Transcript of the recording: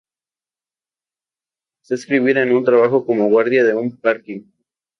Comenzó a escribir en un trabajo como guardia de un parking.